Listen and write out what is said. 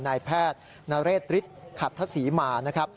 นายแพทย์นาเรดฤทธ์ขัดทศิมา